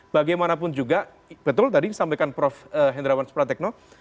bagaimanapun juga betul tadi disampaikan prof hendrawan supratekno